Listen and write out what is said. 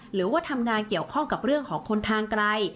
หรือว่าทำงานเกี่ยวข้องกับเรื่องของคนทางไกล